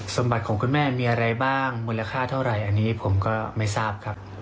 สมบัติของคุณแม่มีอะไรบ้างมูลค่าเท่าไหร่อันนี้ผมก็ไม่ทราบครับ